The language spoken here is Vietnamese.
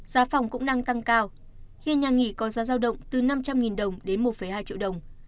giá phòng cũng đang tăng cao hiện nhà nghỉ có giá giao động từ năm trăm linh đồng đến một hai triệu đồng